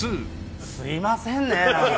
すみませんねなんか。